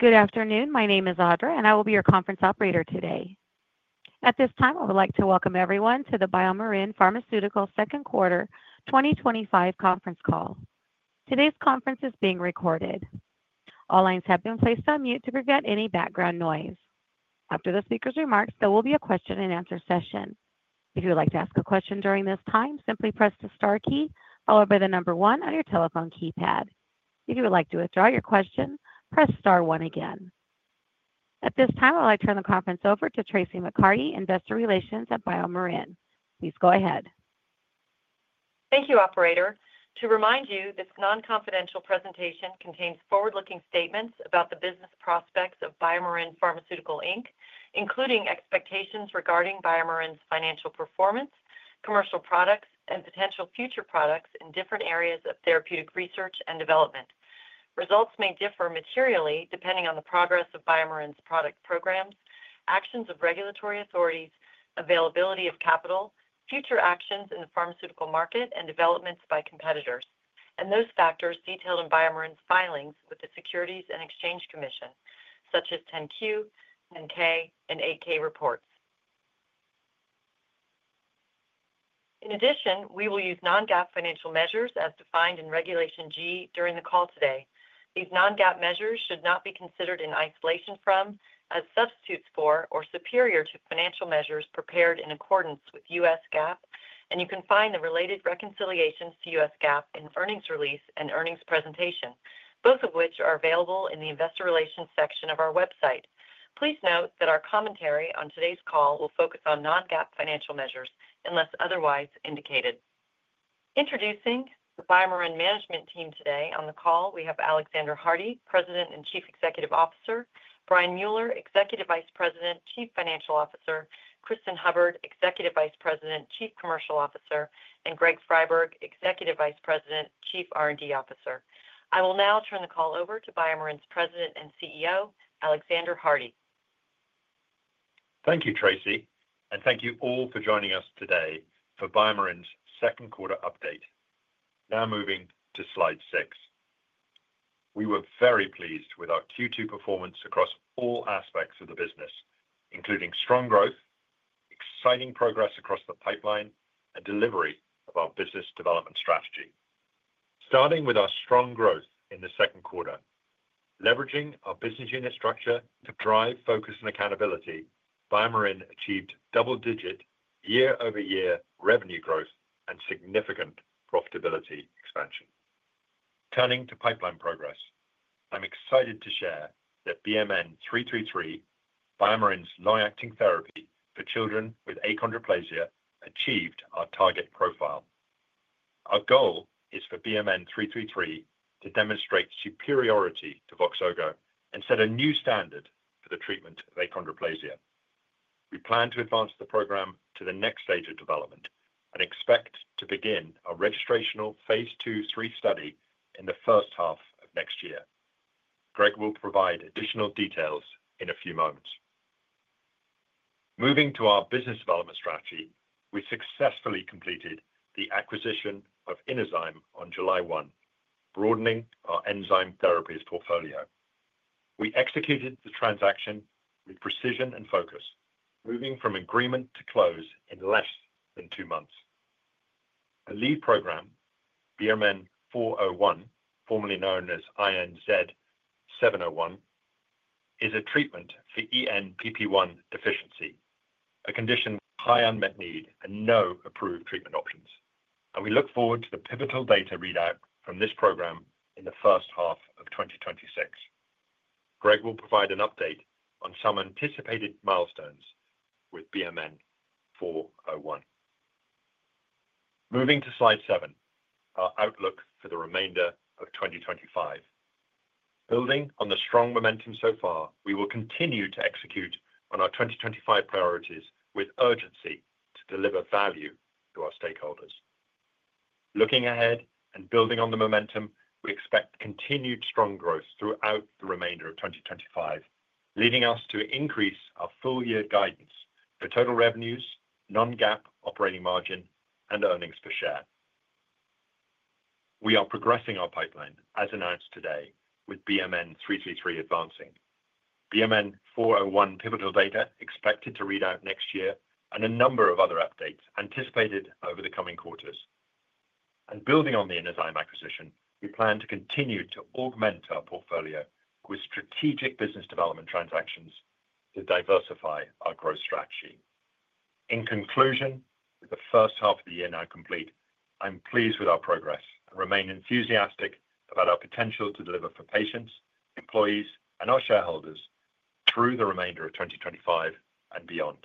Good afternoon. My name is Audra, and I will be your conference operator today. At this time, I would like to welcome everyone to the BioMarin Pharmaceutical Second Quarter 2025 Conference Call. Today's conference is being recorded. All lines have been placed on mute to prevent any background noise. After the speaker's remarks, there will be a question and answer session. If you would like to ask a question during this time, simply press the star key followed by the number one on your telephone keypad. If you would like to withdraw your question, press star one again. At this time, I would like to turn the conference over to Traci McCarty, Investor Relations at BioMarin. Please go ahead. Thank you, Operator. To remind you, this non-confidential presentation contains forward-looking statements about the business prospects of BioMarin Pharmaceutical Inc., including expectations regarding BioMarin's financial performance, commercial products, and potential future products in different areas of therapeutic research and development. Results may differ materially depending on the progress of BioMarin's product programs, actions of regulatory authorities, availability of capital, future actions in the pharmaceutical market, and developments by competitors, and those factors detailed in BioMarin's filings with the Securities and Exchange Commission, such as 10-Q, 10-K, and 8-K reports. In addition, we will use non-GAAP financial measures as defined in Regulation G during the call today. These non-GAAP measures should not be considered in isolation from, as substitutes for, or superior to financial measures prepared in accordance with U.S. GAAP, and you can find the related reconciliations to U.S. GAAP in Earnings Release and Earnings Presentation, both of which are available in the Investor Relations section of our website. Please note that our commentary on today's call will focus on non-GAAP financial measures unless otherwise indicated. Introducing the BioMarin Management Team today on the call, we have Alexander Hardy, President and Chief Executive Officer, Brian Mueller, Executive Vice President, Chief Financial Officer, Cristin Hubbard, Executive Vice President, Chief Commercial Officer, and Greg Friberg, Executive Vice President, Chief R&D Officer. I will now turn the call over to BioMarin's President and CEO, Alexander Hardy. Thank you, Traci, and thank you all for joining us today for BioMarin's second quarter update. Now moving to slide six, we were very pleased with our Q2 performance across all aspects of the business, including strong growth, exciting progress across the pipeline, and delivery of our business development strategy. Starting with our strong growth in the second quarter, leveraging our business unit structure to drive focus and accountability, BioMarin achieved double-digit year-over-year revenue growth and significant profitability expansion. Turning to pipeline progress, I'm excited to share that BMN 333, BioMarin's long-acting CNP therapy for children with Achondroplasia, achieved our target profile. Our goal is for BMN 333 to demonstrate superiority to VOXZOGO and set a new standard for the treatment of Achondroplasia. We plan to advance the program to the next stage of development and expect to begin our registrational phase II-III study in the first half of next year. Greg will provide additional details in a few moments. Moving to our business development strategy, we successfully completed the acquisition of Inozyme on July 1, broadening our enzyme therapies portfolio. We executed the transaction with precision and focus, moving from agreement to close in less than two months. The lead program, BMN 401, formerly known as INZ 701, is a treatment for ENPP1 Deficiency, a condition with high unmet need and no approved treatment options. We look forward to the pivotal data readout from this program in the first half of 2026. Greg will provide an update on some anticipated milestones with BMN 401. Moving to slide seven, our outlook for the remainder of 2025. Building on the strong momentum so far, we will continue to execute on our 2025 priorities with urgency to deliver value to our stakeholders. Looking ahead and building on the momentum, we expect continued strong growth throughout the remainder of 2025, leading us to increase our full-year guidance for total revenues, non-GAAP operating margin, and earnings per share. We are progressing our pipeline as announced today with BMN 333 advancing, BMN 401 pivotal data expected to read out next year, and a number of other updates anticipated over the coming quarters. Building on the Inozyme acquisition, we plan to continue to augment our portfolio with strategic business development transactions to diversify our growth strategy. In conclusion, the first half of the year now complete. I'm pleased with our progress and remain enthusiastic about our potential to deliver for patients, employees, and our shareholders through the remainder of 2025 and beyond.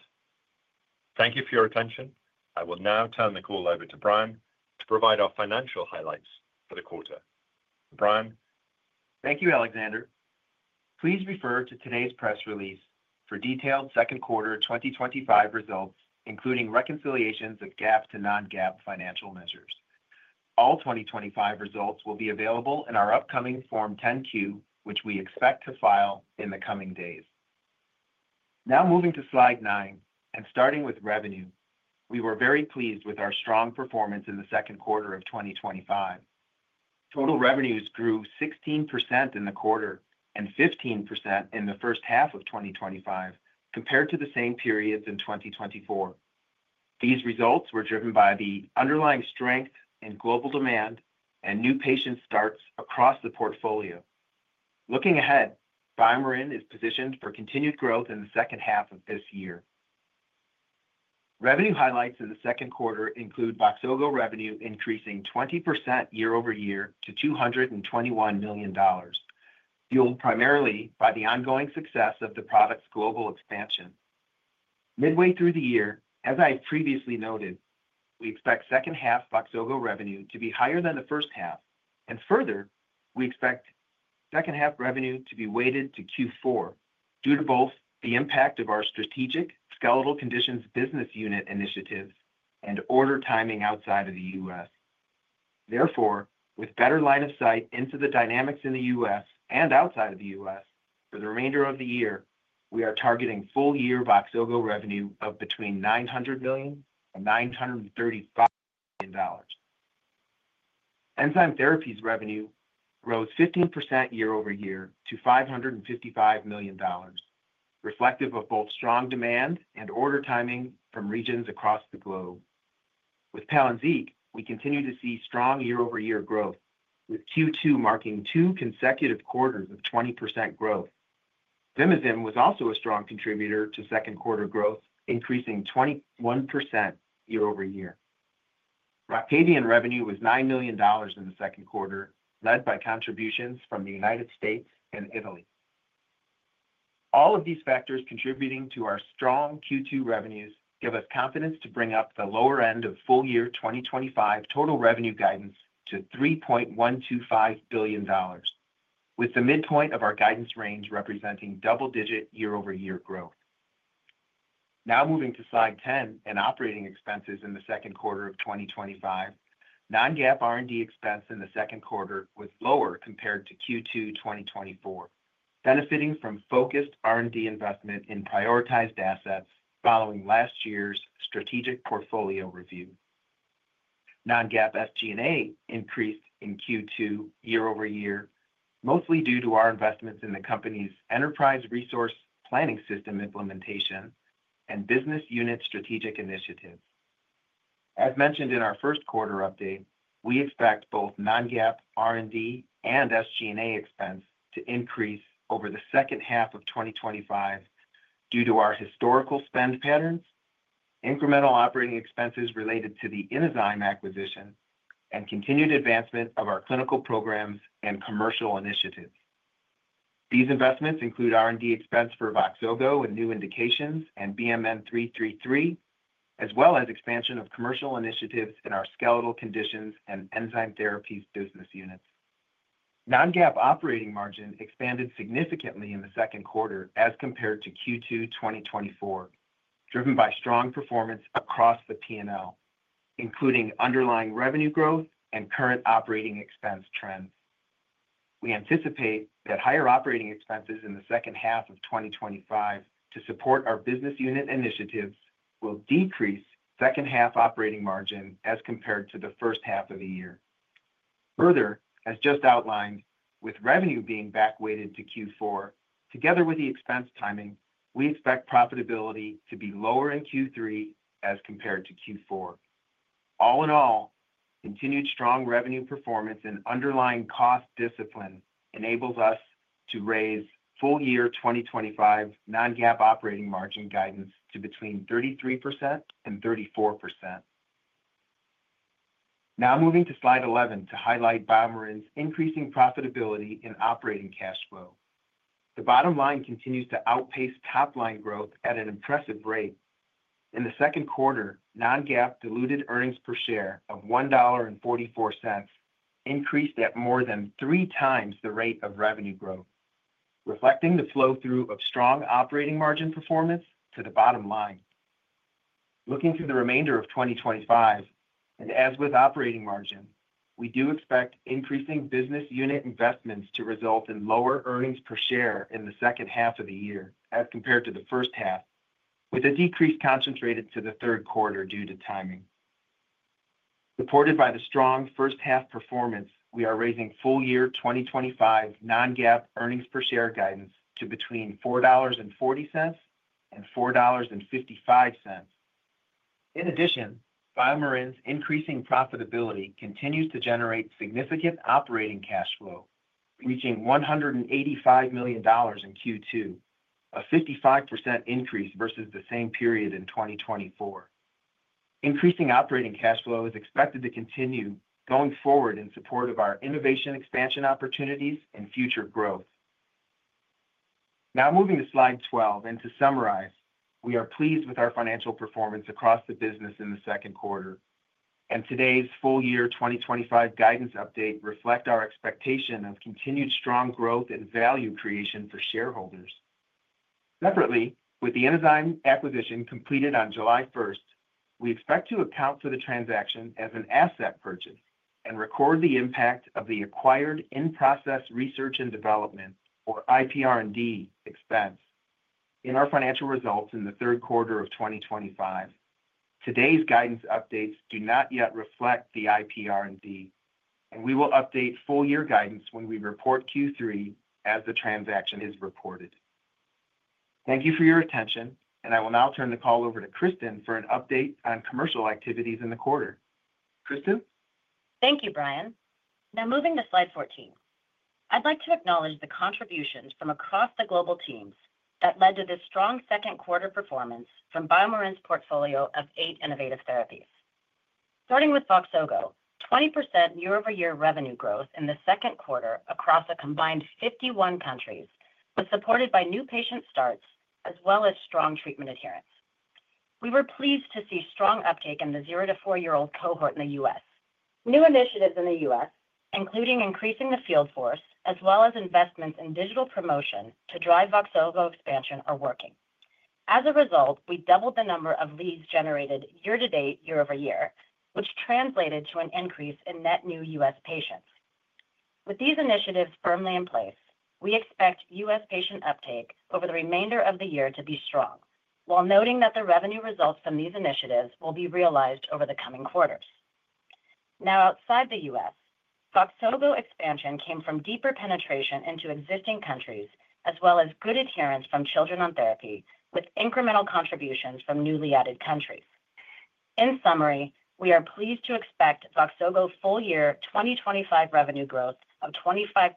Thank you for your attention. I will now turn the call over to Brian to provide our financial highlights for the quarter. Brian. Thank you, Alexander. Please refer to today's press release for detailed second quarter 2025 results, including reconciliations of GAAP to non-GAAP financial measures. All 2025 results will be available in our upcoming Form 10-Q, which we expect to file in the coming days. Now moving to slide nine and starting with revenue, we were very pleased with our strong performance in the second quarter of 2025. Total revenues grew 16% in the quarter and 15% in the first half of 2025 compared to the same periods in 2024. These results were driven by the underlying strength in global demand and new patient starts across the portfolio. Looking ahead, BioMarin is positioned for continued growth in the second half of this year. Revenue highlights in the second quarter include VOXZOGO revenue increasing 20% year over year to $221 million, fueled primarily by the ongoing success of the product's global expansion. Midway through the year, as I have previously noted, we expect second half VOXZOGO revenue to be higher than the first half, and further, we expect second half revenue to be weighted to Q4 due to both the impact of our strategic skeletal conditions business unit initiatives and order timing outside of the U.S. Therefore, with better line of sight into the dynamics in the U.S. and outside of the U.S. for the remainder of the year, we are targeting full-year VOXZOGO revenue of between $900 million and $935 million. Enzyme therapies revenue rose 15% year over year to $555 million, reflective of both strong demand and order timing from regions across the globe. With PALYNZIQ, we continue to see strong year over year growth, with Q2 marking two consecutive quarters of 20% growth. VIMIZIM was also a strong contributor to second quarter growth, increasing 21% year over year. ROCTAVIAN revenue was $9 million in the second quarter, led by contributions from the United States and Italy. All of these factors contributing to our strong Q2 revenues give us confidence to bring up the lower end of full-year 2025 total revenue guidance to $3.125 billion, with the midpoint of our guidance range representing double-digit year over year growth. Now moving to slide 10 and operating expenses in the second quarter of 2025, non-GAAP R&D expense in the second quarter was lower compared to Q2 2024, benefiting from focused R&D investment in prioritized assets following last year's strategic portfolio review. Non-GAAP FG&A increased in Q2 year over year, mostly due to our investments in the company's enterprise resource planning system implementation and business unit strategic initiatives. As mentioned in our first quarter update, we expect both non-GAAP R&D and SG&A expense to increase over the second half of 2025 due to our historical spend patterns, incremental operating expenses related to the Inozyme acquisition, and continued advancement of our clinical programs and commercial initiatives. These investments include R&D expense for VOXZOGO and new indications and BMN 333, as well as expansion of commercial initiatives in our skeletal conditions and Enzyme therapies business units. Non-GAAP operating margin expanded significantly in the second quarter as compared to Q2 2024, driven by strong performance across the P&L, including underlying revenue growth and current operating expense trends. We anticipate that higher operating expenses in the second half of 2025 to support our business unit initiatives will decrease second half operating margin as compared to the first half of the year. Further, as just outlined, with revenue being back weighted to Q4, together with the expense timing, we expect profitability to be lower in Q3 as compared to Q4. All in all, continued strong revenue performance and underlying cost discipline enable us to raise full-year 2025 non-GAAP operating margin guidance to between 33% and 34%. Now moving to slide 11 to highlight BioMarin's increasing profitability in operating cash flow. The bottom line continues to outpace top line growth at an impressive rate. In the second quarter, non-GAAP diluted earnings per share of $1.44 increased at more than 3x the rate of revenue growth, reflecting the flow through of strong operating margin performance to the bottom line. Looking to the remainder of 2025, and as with operating margin, we do expect increasing business unit investments to result in lower earnings per share in the second half of the year as compared to the first half, with a decrease concentrated to the third quarter due to timing. Supported by the strong first half performance, we are raising full-year 2025 non-GAAP earnings per share guidance to between $4.40 and $4.55. In addition, BioMarin's increasing profitability continues to generate significant operating cash flow, reaching $185 million in Q2, a 55% increase versus the same period in 2024. Increasing operating cash flow is expected to continue going forward in support of our innovation expansion opportunities and future growth. Now moving to slide 12 and to summarize, we are pleased with our financial performance across the business in the second quarter, and today's full-year 2025 guidance update reflects our expectation of continued strong growth and value creation for shareholders. Separately, with the Inozyme acquisition completed on July 1, we expect to account for the transaction as an asset purchase and record the impact of the acquired in-process research and development, or IPR&D, expense in our financial results in the third quarter of 2025. Today's guidance updates do not yet reflect the IPR&D, and we will update full-year guidance when we report Q3 as the transaction is reported. Thank you for your attention, and I will now turn the call over to Cristin for an update on commercial activities in the quarter. Cristin? Thank you, Brian. Now moving to slide 14, I'd like to acknowledge the contributions from across the global teams that led to this strong second quarter performance from BioMarin's portfolio of eight innovative therapies. Starting with VOXZOGO, 20% year over year revenue growth in the second quarter across a combined 51 countries was supported by new patient starts, as well as strong treatment adherence. We were pleased to see strong uptake in the zero to four-year-old cohort in the U.S. New initiatives in the U.S., including increasing the field force, as well as investments in digital promotion to drive VOXZOGO expansion, are working. As a result, we doubled the number of leads generated year to date, year over year, which translated to an increase in net new U.S. patients. With these initiatives firmly in place, we expect U.S. patient uptake over the remainder of the year to be strong, while noting that the revenue results from these initiatives will be realized over the coming quarters. Now outside the U.S., VOXZOGO expansion came from deeper penetration into existing countries, as well as good adherence from children on therapy, with incremental contributions from newly added countries. In summary, we are pleased to expect VOXZOGO full-year 2025 revenue growth of 25%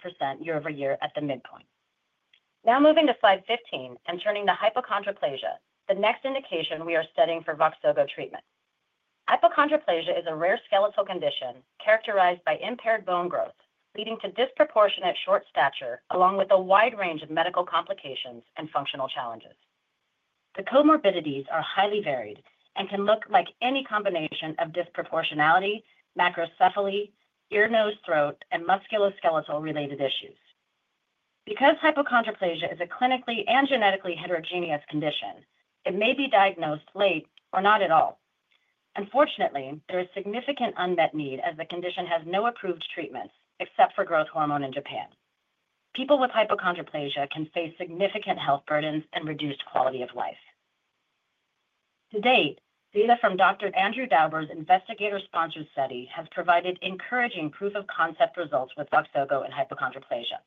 year over year at the midpoint. Now moving to slide 15 and turning to Hypochondroplasia, the next indication we are studying for VOXZOGO treatment. Hypochondroplasia is a rare skeletal condition characterized by impaired bone growth, leading to disproportionate short stature, along with a wide range of medical complications and functional challenges. The comorbidities are highly varied and can look like any combination of disproportionality, Macrocephaly, ear, nose, throat, and musculoskeletal related issues. Because Hypochondroplasia is a clinically and genetically heterogeneous condition, it may be diagnosed late or not at all. Unfortunately, there is significant unmet need as the condition has no approved treatments except for growth hormone in Japan. People with Hypochondroplasia can face significant health burdens and reduced quality of life. To date, data from Dr. Andrew Dauber's investigator-sponsored study has provided encouraging proof of concept results with VOXZOGO and Hypochondroplasia.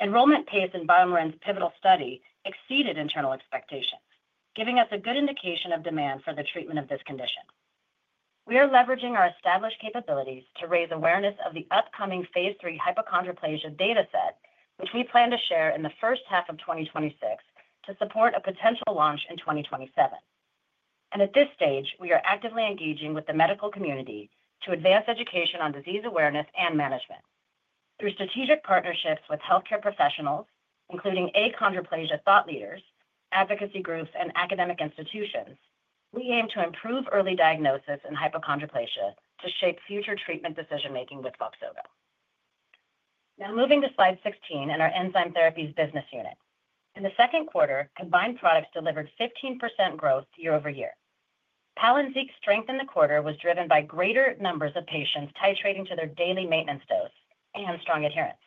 Enrollment pace in BioMarin's pivotal study exceeded internal expectations, giving us a good indication of demand for the treatment of this condition. We are leveraging our established capabilities to raise awareness of the upcoming phase III Hypochondroplasia dataset, which we plan to share in the first half of 2026 to support a potential launch in 2027. At this stage, we are actively engaging with the medical community to advance education on disease awareness and management. Through strategic partnerships with healthcare professionals, including Achondroplasia thought leaders, advocacy groups, and academic institutions, we aim to improve early diagnosis in Hypochondroplasia to shape future treatment decision-making with VOXZOGO. Now moving to slide 16 and our enzyme therapies business unit. In the second quarter, combined products delivered 15% growth year over year. PALYNZIQ's strength in the quarter was driven by greater numbers of patients titrating to their daily maintenance dose and strong adherence.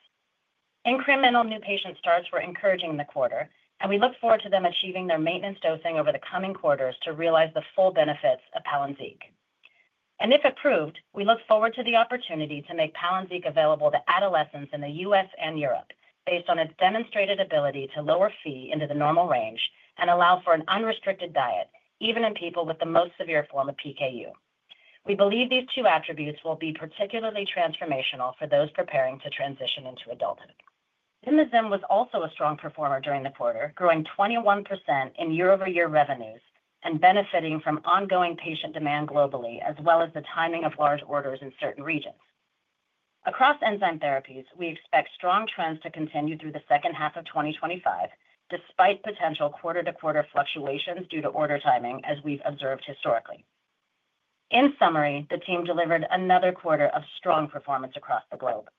Incremental new patient starts were encouraging in the quarter, and we look forward to them achieving their maintenance dosing over the coming quarters to realize the full benefits of PALYNZIQ. If approved, we look forward to the opportunity to make PALYNZIQ available to adolescents in the U.S. and Europe based on its demonstrated ability to lower Phe into the normal range and allow for an unrestricted diet, even in people with the most severe form of PKU. We believe these two attributes will be particularly transformational for those preparing to transition into adulthood. VIMIZIM was also a strong performer during the quarter, growing 21% in year over year revenues and benefiting from ongoing patient demand globally, as well as the timing of large orders in certain regions. Across Enzyme therapies, we expect strong trends to continue through the second half of 2025, despite potential quarter-to-quarter fluctuations due to order timing, as we've observed historically. In summary, the team delivered another quarter of strong performance across the globe.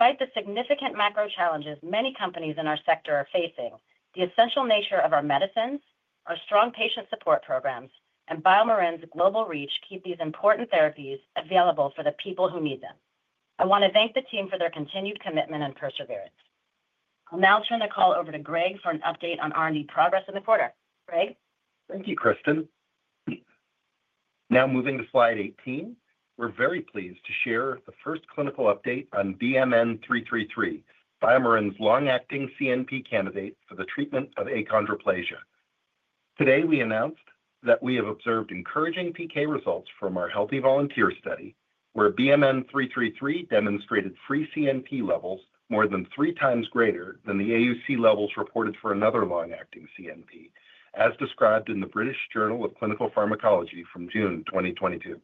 Despite the significant macro challenges many companies in our sector are facing, the essential nature of our medicines, our strong patient support programs, and BioMarin's global reach keep these important therapies available for the people who need them. I want to thank the team for their continued commitment and perseverance. I'll now turn the call over to Greg for an update on R&D progress in the quarter. Greg? Thank you, Cristin. Now moving to slide 18, we're very pleased to share the first clinical update on BMN 333, BioMarin's long-acting CNP candidate for the treatment of Achondroplasia. Today, we announced that we have observed encouraging PK results from our healthy volunteer study, where BMN 333 demonstrated free CNP levels more than 3x greater than the AUC levels reported for another long-acting CNP, as described in the British Journal of Clinical Pharmacology from June 2022.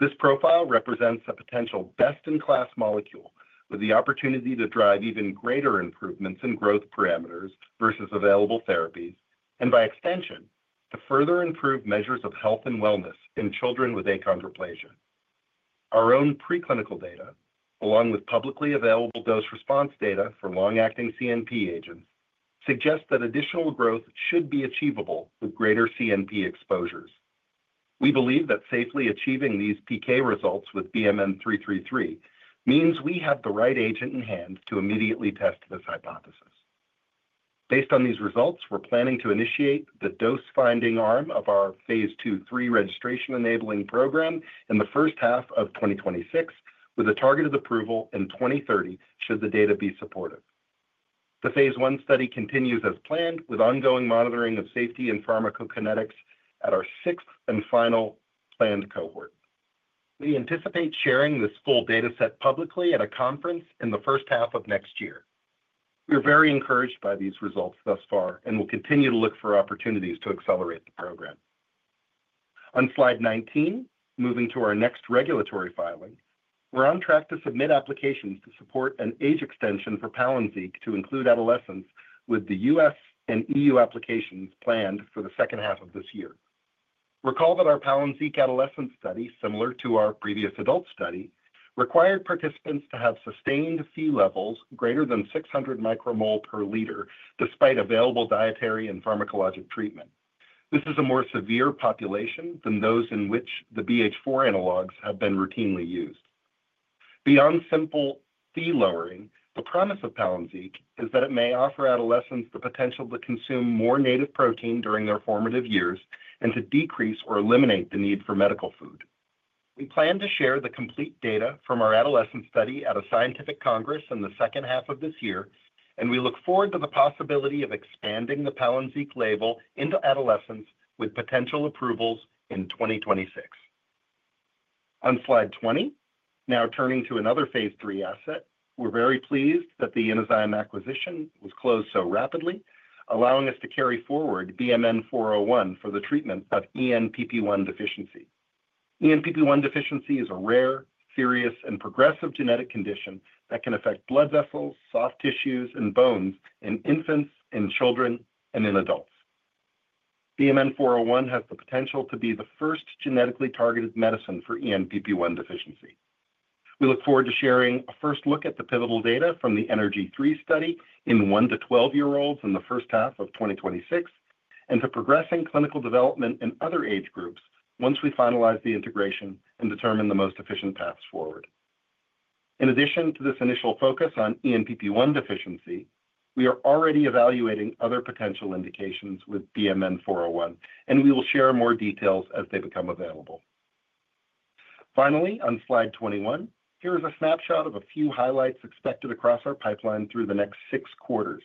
This profile represents a potential best-in-class molecule with the opportunity to drive even greater improvements in growth parameters versus available therapies and, by extension, the further improved measures of health and wellness in children with Achondroplasia. Our own preclinical data, along with publicly available dose response data for long-acting CNP agents, suggest that additional growth should be achievable with greater CNP exposures. We believe that safely achieving these PK results with BMN 333 means we have the right agent in hand to immediately test this hypothesis. Based on these results, we're planning to initiate the dose-finding arm of our phase II-III registration enabling program in the first half of 2026, with a target of approval in 2030 should the data be supported. The phase I study continues as planned, with ongoing monitoring of safety and pharmacokinetics at our sixth and final planned cohort. We anticipate sharing this full dataset publicly at a conference in the first half of next year. We're very encouraged by these results thus far and will continue to look for opportunities to accelerate the program. On slide 19, moving to our next regulatory filing, we're on track to submit applications to support an age extension for PALYNZIQ to include adolescents with the U.S. and EU applications planned for the second half of this year. Recall that our PALYNZIQ adolescent study, similar to our previous adult study, required participants to have sustained Phe Levels greater than 600 micromole per liter despite available dietary and pharmacologic treatment. This is a more severe population than those in which the BH4 Analogues have been routinely used. Beyond simple Phe lowering, the promise of PALYNZIQ is that it may offer adolescents the potential to consume more native protein during their formative years and to decrease or eliminate the need for medical food. We plan to share the complete data from our adolescent study at a scientific congress in the second half of this year, and we look forward to the possibility of expanding the PALYNZIQ label into adolescents with potential approvals in 2026. On slide 20, now turning to another phase 3 asset, we're very pleased that the Inozyme acquisition was closed so rapidly, allowing us to carry forward BMN 401 for the treatment of ENPP1 Deficiency. ENPP1 Deficiency is a rare, serious, and progressive genetic condition that can affect blood vessels, soft tissues, and bones in infants, in children, and in adults. BMN 401 has the potential to be the first genetically targeted medicine for ENPP1 Deficiency. We look forward to sharing a first look at the pivotal data from the ENERGY3 Study in one to 12-year-olds in the first half of 2026 and to progressing clinical development in other age groups once we finalize the integration and determine the most efficient paths forward. In addition to this initial focus on ENPP1 Deficiency, we are already evaluating other potential indications with BMN 401, and we will share more details as they become available. Finally, on slide 21, here is a snapshot of a few highlights expected across our pipeline through the next six quarters.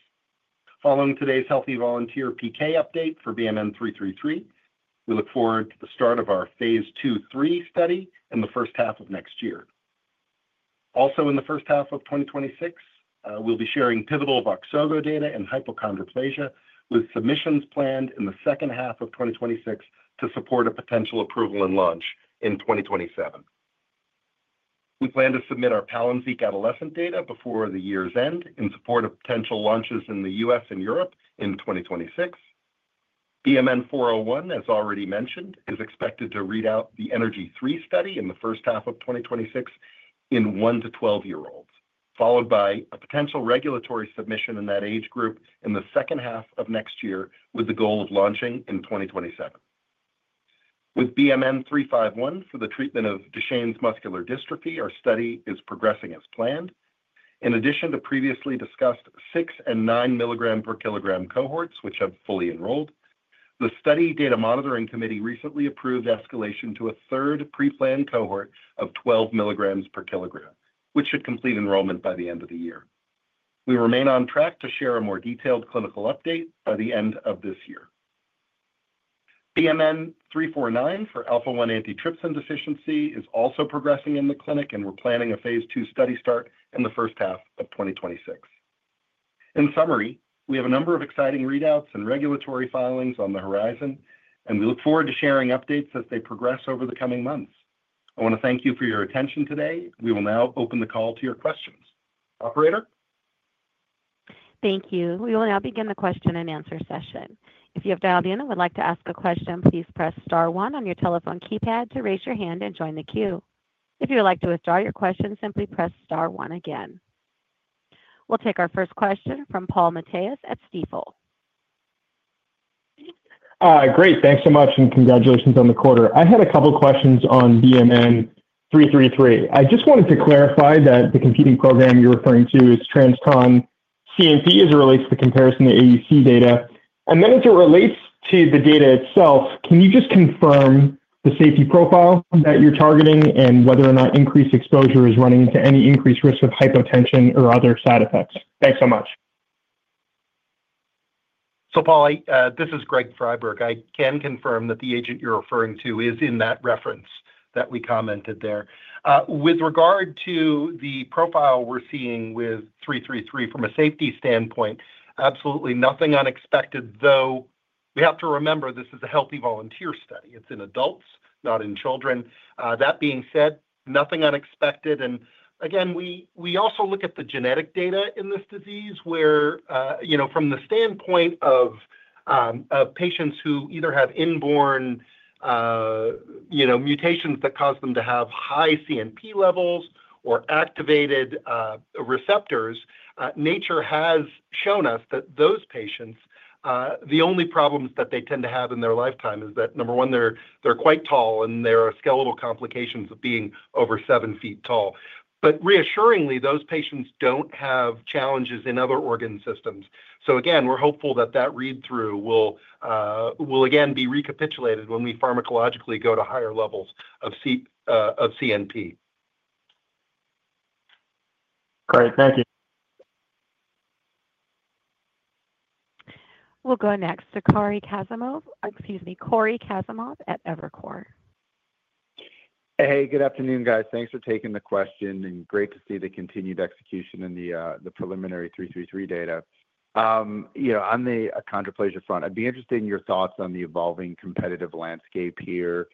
Following today's healthy volunteer PK update for BMN 333, we look forward to the start of our phase 2/3 study in the first half of next year. Also, in the first half of 2026, we'll be sharing pivotal VOXZOGO data in Hypochondroplasia with submissions planned in the second half of 2026 to support a potential approval and launch in 2027. We plan to submit our PALYNZIQ adolescent data before the year's end in support of potential launches in the US and Europe in 2026. BMN 401, as already mentioned, is expected to read out the ENERGY3 Study in the first half of 2026 in one to 12-year-olds, followed by a potential regulatory submission in that age group in the second half of next year with the goal of launching in 2027. With BMN 351 for the treatment of Duchenne Muscular Dystrophy, our study is progressing as planned. In addition to previously discussed six and nine milligram per kilogram cohorts, which have fully enrolled, the study data monitoring committee recently approved escalation to a third pre-planned cohort of 12 milligrams per kilogram, which should complete enrollment by the end of the year. We remain on track to share a more detailed clinical update by the end of this year. BMN 349 for Alpha-1 Antitrypsin Deficiency is also progressing in the clinic, and we're planning a phase II study start in the first half of 2026. In summary, we have a number of exciting readouts and regulatory filings on the horizon, and we look forward to sharing updates as they progress over the coming months. I want to thank you for your attention today. We will now open the call to your questions. Operator? Thank you. We will now begin the question and answer session. If you have dialed in and would like to ask a question, please press star one on your telephone keypad to raise your hand and join the queue. If you would like to withdraw your question, simply press star one again. We'll take our first question from Paul Matteis at Stifel. Great. Thanks so much and congratulations on the quarter. I had a couple of questions on BMN 333. I just wanted to clarify that the competing program you're referring to is TransCon CNP as it relates to the comparison to AUC data. As it relates to the data itself, can you just confirm the safety profile that you're targeting and whether or not increased exposure is running into any increased risk of hypotension or other side effects? Thanks so much. Paul, this is Greg Friberg. I can confirm that the agent you're referring to is in that reference that we commented there. With regard to the profile we're seeing with BMN 333 from a safety standpoint, absolutely nothing unexpected, though we have to remember this is a healthy volunteer study. It's in adults, not in children. That being said, nothing unexpected. We also look at the genetic data in this disease where, you know, from the standpoint of patients who either have inborn mutations that cause them to have high CNP levels or activated receptors, nature has shown us that those patients, the only problems that they tend to have in their lifetime is that, number one, they're quite tall and there are skeletal complications of being over seven feet tall. Reassuringly, those patients don't have challenges in other organ systems. We're hopeful that that read-through will, again, be recapitulated when we pharmacologically go to higher levels of CNP. Great. Thank you. We'll go next to Cory Kasimov at Evercore. Hey, good afternoon, guys. Thanks for taking the question and great to see the continued execution in the preliminary BMN 333 data. You know, on the Achondroplasia front, I'd be interested in your thoughts on the evolving competitive landscape here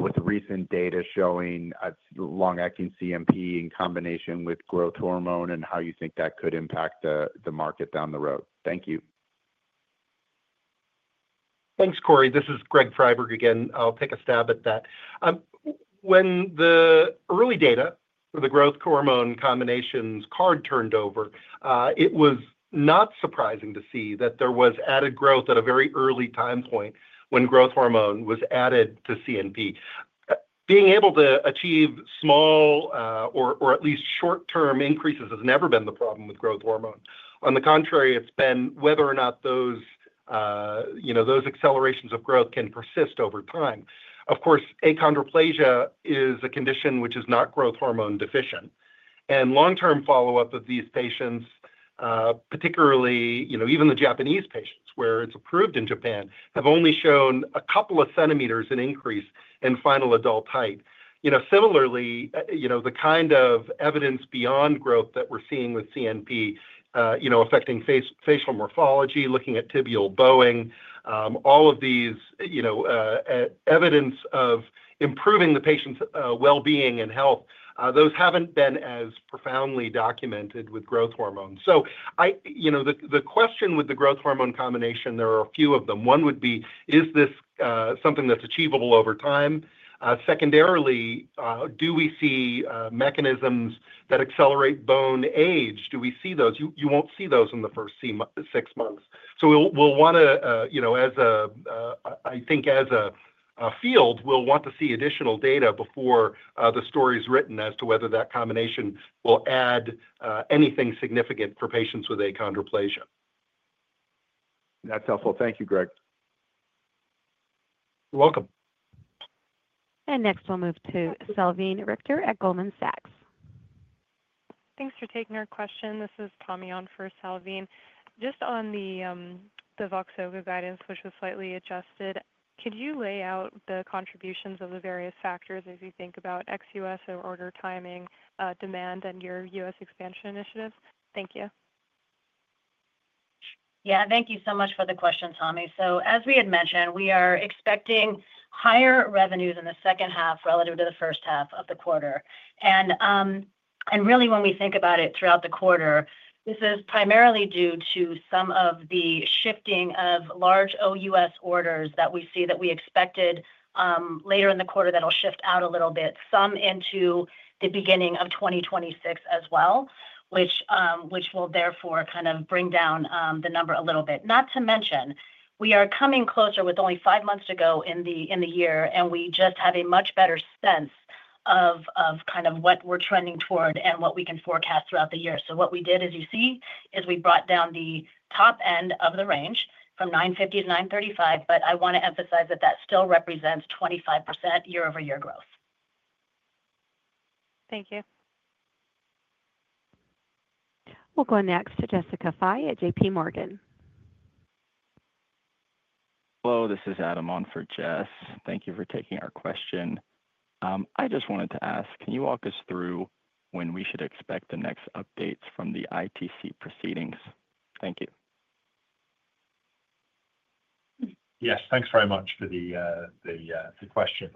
with the recent data showing its long-acting CNP in combination with growth hormone, and how you think that could impact the market down the road. Thank you. Thanks, Cory. This is Greg Friberg again. I'll take a stab at that. When the early data for the growth hormone combinations card turned over, it was not surprising to see that there was added growth at a very early time point when growth hormone was added to CNP. Being able to achieve small or at least short-term increases has never been the problem with growth hormone. On the contrary, it's been whether or not those accelerations of growth can persist over time. Achondroplasia is a condition which is not growth hormone deficient. Long-term follow-up of these patients, particularly even the Japanese patients where it's approved in Japan, have only shown a couple of centimeters in increase in final adult height. Similarly, the kind of evidence beyond growth that we're seeing with CNP, affecting facial morphology, looking at tibial bowing, all of these, evidence of improving the patient's well-being and health, those haven't been as profoundly documented with growth hormone. The question with the growth hormone combination, there are a few of them. One would be, is this something that's achievable over time? Secondarily, do we see mechanisms that accelerate bone age? Do we see those? You won't see those in the first six months. As a field, we'll want to see additional data before the story is written as to whether that combination will add anything significant for patients with Achondroplasia. That's helpful. Thank you, Greg. You're welcome. Next, we'll move to Salveen Richter at Goldman Sachs. Thanks for taking our question. This is Tommy on for Salveen. Just on the VOXZOGO guidance, which was slightly adjusted, could you lay out the contributions of the various factors as you think about ex-US and order timing, demand, and your US expansion initiatives? Thank you. Thank you so much for the question, Tommy. As we had mentioned, we are expecting higher revenues in the second half relative to the first half of the quarter. When we think about it throughout the quarter, this is primarily due to some of the shifting of large OUS orders that we see that we expected later in the quarter that will shift out a little bit, some into the beginning of 2026 as well, which will therefore kind of bring down the number a little bit. Not to mention, we are coming closer with only five months to go in the year, and we just have a much better sense of kind of what we're trending toward and what we can forecast throughout the year. What we did, as you see, is we brought down the top end of the range from $9.50-$9.35, but I want to emphasize that that still represents 25% year-over-year growth. Thank you. We'll go next to Jessica Fye at JPMorgan. Hello, this is Adam on for Jess. Thank you for taking our question. I just wanted to ask, can you walk us through when we should expect the next updates from the ITC proceedings? Thank you. Yes, thanks very much for the question.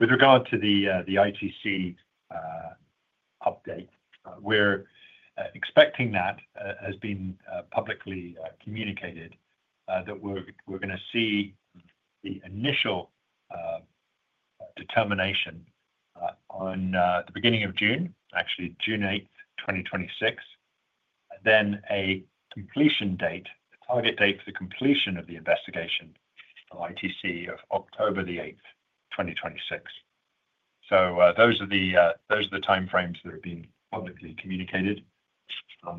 With regard to the ITC update, we're expecting that, as has been publicly communicated, we're going to see the initial determination at the beginning of June, actually June 8, 2026, and then a target date for the completion of the investigation of ITC of October 8, 2026. These are the timeframes that have been publicly communicated.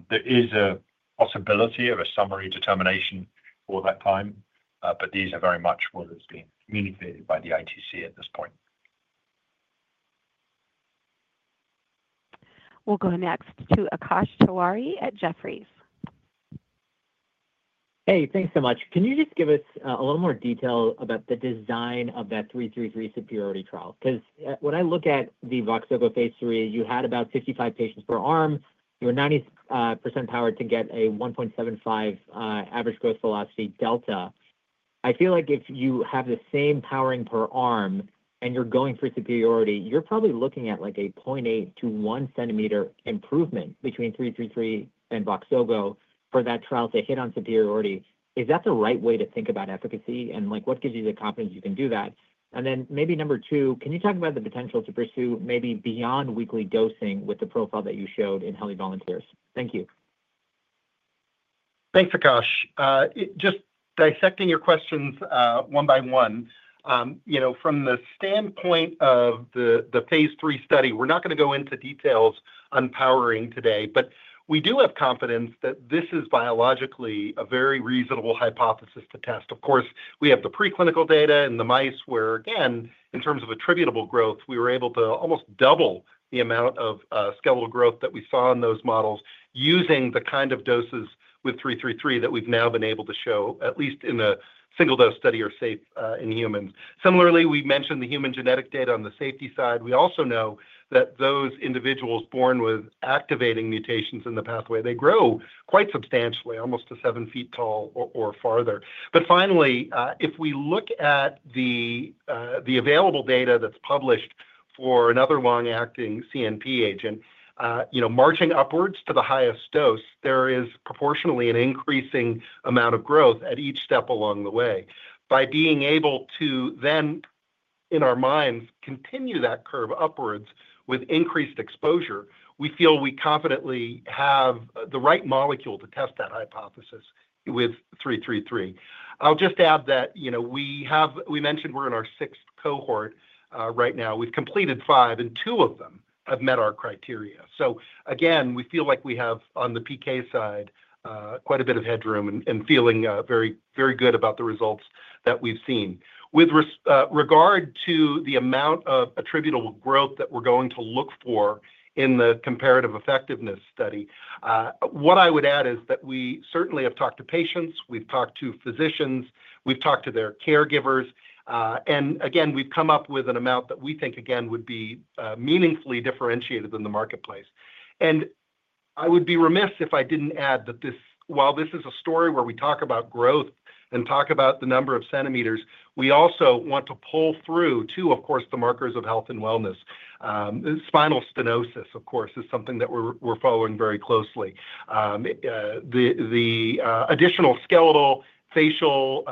There is a possibility of a summary determination for that time, but these are very much what has been communicated by the ITC at this point. We'll go next to Akash Tewari at Jefferies. Hey, thanks so much. Can you just give us a little more detail about the design of that BMN 333 superiority trial? Because when I look at the VOXZOGO phase three, you had about 65 patients per arm. You were 90% powered to get a 1.75 average growth velocity delta. I feel like if you have the same powering per arm and you're going for superiority, you're probably looking at like a 0.8 cm-1 cm improvement between BMN 333 and VOXZOGO for that trial to hit on superiority. Is that the right way to think about efficacy? What gives you the confidence you can do that? Maybe number two, can you talk about the potential to pursue maybe beyond weekly dosing with the profile that you showed in healthy volunteers? Thank you. Thanks, Akash. Just dissecting your questions one by one, you know, from the standpoint of the phase III study, we're not going to go into details on powering today, but we do have confidence that this is biologically a very reasonable hypothesis to test. Of course, we have the preclinical data in the mice where, again, in terms of attributable growth, we were able to almost double the amount of skeletal growth that we saw in those models using the kind of doses with BMN 333 that we've now been able to show, at least in a single-dose study, are safe in humans. Similarly, we mentioned the human genetic data on the safety side. We also know that those individuals born with activating mutations in the pathway, they grow quite substantially, almost to seven feet tall or farther. If we look at the available data that's published for another long-acting CNP agent, marching upwards to the highest dose, there is proportionately an increasing amount of growth at each step along the way. By being able to then, in our minds, continue that curve upwards with increased exposure, we feel we confidently have the right molecule to test that hypothesis with BMN 333. I'll just add that, you know, we have, we mentioned we're in our sixth cohort right now. We've completed five, and two of them have met our criteria. We feel like we have, on the PK side, quite a bit of headroom and feeling very, very good about the results that we've seen. With regard to the amount of attributable growth that we're going to look for in the comparative effectiveness study, what I would add is that we certainly have talked to patients, we've talked to physicians, we've talked to their caregivers, and we've come up with an amount that we think would be meaningfully differentiated in the marketplace. I would be remiss if I didn't add that this, while this is a story where we talk about growth and talk about the number of centimeters, we also want to pull through to, of course, the markers of health and wellness. Spinal stenosis, of course, is something that we're following very closely. The additional skeletal, facial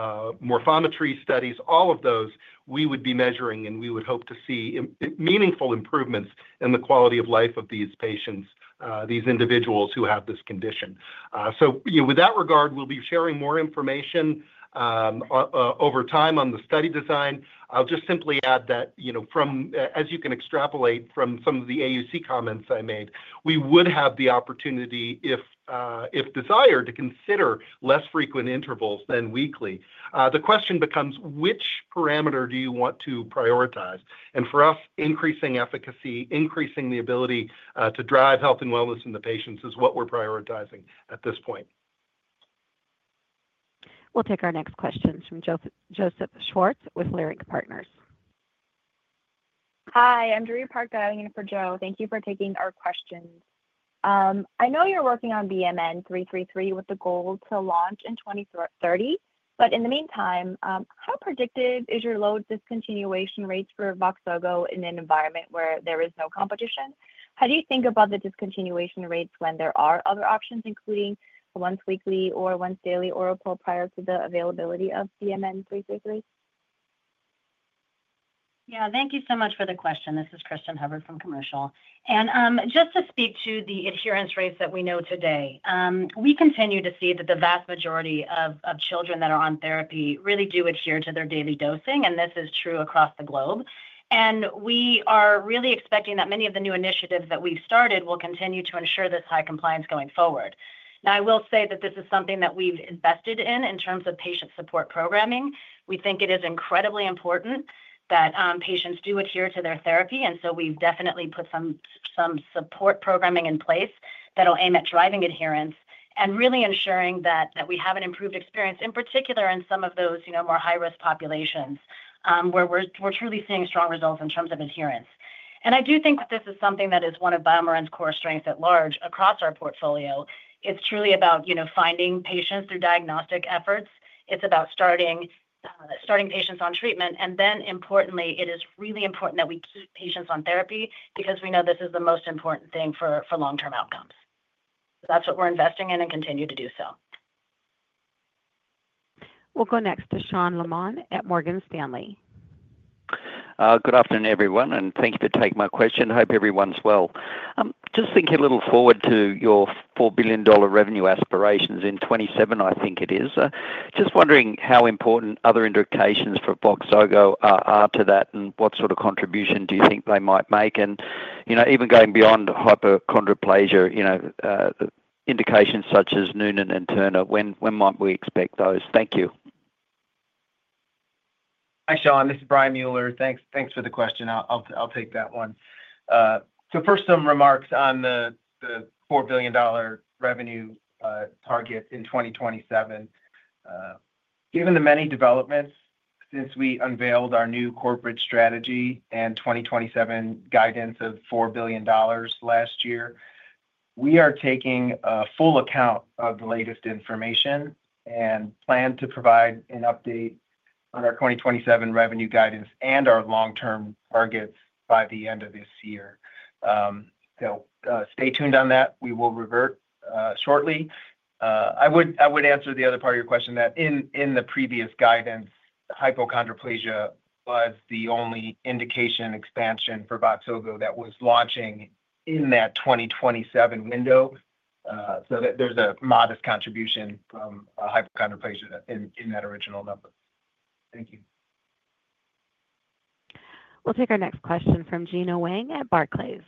morphometry studies, all of those, we would be measuring, and we would hope to see meaningful improvements in the quality of life of these patients, these individuals who have this condition. With that regard, we'll be sharing more information over time on the study design. I'll just simply add that, as you can extrapolate from some of the AUC comments I made, we would have the opportunity, if desired, to consider less frequent intervals than weekly. The question becomes, which parameter do you want to prioritize? For us, increasing efficacy, increasing the ability to drive health and wellness in the patients is what we're prioritizing at this point. We'll take our next questions from Joseph Schwartz with Leerink Partners. Hi, I'm Drewry Park for Joe. Thank you for taking our questions. I know you're working on BMN 333 with the goal to launch in 2030, but in the meantime, how predictive is your low discontinuation rates for VOXZOGO in an environment where there is no competition? How do you think about the discontinuation rates when there are other options, including once weekly or once daily or a pull prior to the availability of BMN 333? Thank you so much for the question. This is Cristin Hubbard from Commercial. Just to speak to the adherence rates that we know today, we continue to see that the vast majority of children that are on therapy really do adhere to their daily dosing, and this is true across the globe. We are really expecting that many of the new initiatives that we've started will continue to ensure this high compliance going forward. I will say that this is something that we've invested in in terms of patient support programming. We think it is incredibly important that patients do adhere to their therapy, and we've definitely put some support programming in place that will aim at driving adherence and really ensuring that we have an improved experience, in particular in some of those more high-risk populations where we're truly seeing strong results in terms of adherence. I do think that this is something that is one of BioMarin's core strengths at large across our portfolio. It's truly about finding patients through diagnostic efforts. It's about starting patients on treatment, and then importantly, it is really important that we keep patients on therapy because we know this is the most important thing for long-term outcomes. That's what we're investing in and continue to do so. We'll go next to Sean Laaman at Morgan Stanley. Good afternoon, everyone, and thank you for taking my question. Hope everyone's well. I'm just thinking a little forward to your $4 billion revenue aspirations in 2027, I think it is. Just wondering how important other indications for VOXZOGO are to that and what sort of contribution do you think they might make? You know, even going beyond Hypochondroplasia, indications such as Noonan and Turner, when might we expect those? Thank you. Hi Sean, this is Brian Mueller. Thanks for the question. I'll take that one. First, some remarks on the $4 billion revenue target in 2027. Given the many developments since we unveiled our new corporate strategy and 2027 guidance of $4 billion last year, we are taking a full account of the latest information and plan to provide an update on our 2027 revenue guidance and our long-term targets by the end of this year. Stay tuned on that. We will revert shortly. I would answer the other part of your question that in the previous guidance, Hypochondroplasia was the only indication expansion for VOXZOGO that was launching in that 2027 window. There's a modest contribution from Hypochondroplasia in that original number. Thank you. We'll take our next question from Gena Wang at Barclays.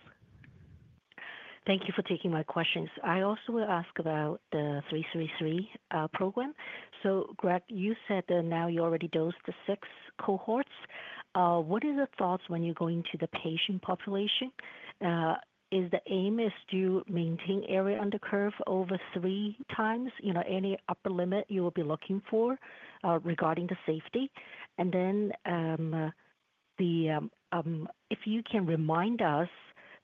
Thank you for taking my questions. I also will ask about the BMN 333 program. Greg, you said that now you already dosed the six cohorts. What are the thoughts when you're going to the patient population? Is the aim to maintain area under curve over three times, you know, any upper limit you will be looking for regarding the safety? If you can remind us,